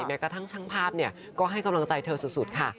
แม้กระทั่งช่างภาพก็ให้กำลังใจเธอสุดค่ะ